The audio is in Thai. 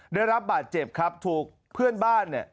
ได้รับบาดเจ็บครับถูกเพื่อนบ้านเนี่ย